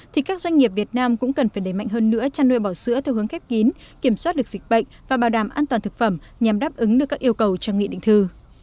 thì các doanh nghiệp việt nam cũng cần phải đẩy mạnh hơn nữa chăn nuôi bò sữa theo hướng khép kín kiểm soát được dịch bệnh và bảo đảm an toàn thực phẩm nhằm đáp ứng được các yêu cầu trong nghị định thư